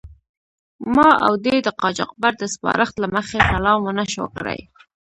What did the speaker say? ما او دې د قاچاقبر د سپارښت له مخې سلام و نه شو کړای.